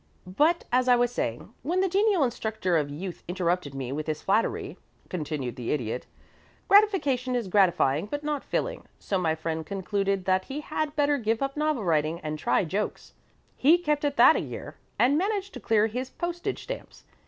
But, as I was saying, when the genial instructor of youth interrupted me with his flattery," continued the Idiot, "gratification is gratifying but not filling, so my friend concluded that he had better give up novel writing and try jokes. He kept at that a year, and managed to clear his postage stamps.